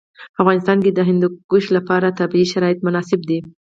په افغانستان کې د هندوکش لپاره طبیعي شرایط مناسب دي.